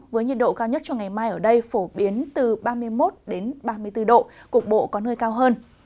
với nhiệt độ cao nhất cho ngày mai ở đây phổ biến từ ba mươi một ba mươi bốn độ cục bộ có nơi cao hơn